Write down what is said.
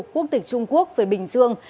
quốc tịch trung quốc về bình dương